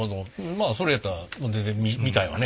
まあそれやったら全然見たいわね。